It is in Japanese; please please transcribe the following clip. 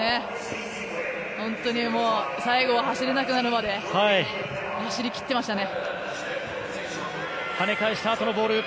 本当に最後は走れなくなるまで走り切ってましたね。